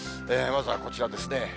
まずこちらですね。